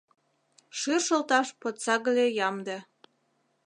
Шӱр шолташ подсагыле ямде.